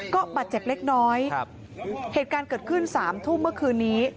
ก็บาดเจ็บเล็กน้อยเหตุการณ์เกิดขึ้น๓ทุ่มเมื่อคืนนี้